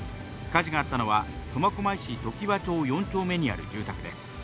火事があったのは、苫小牧市ときわ町４丁目にある住宅です。